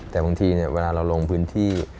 แต่บางทีเวลาเราลงพื้นที่